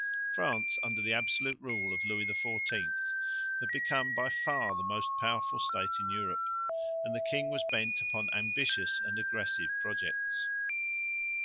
France under the absolute rule of Louis XIV had become by far the most powerful State in Europe, and the king was bent upon ambitious and aggressive projects.